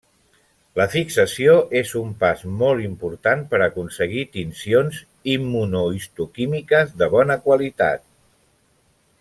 La fixació és un pas molt important per aconseguir tincions immunohistoquímiques de bona qualitat.